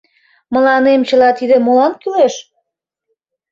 Мыланем чыла тиде молан кӱлеш?